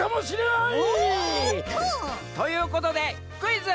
おっと！ということで「クイズ！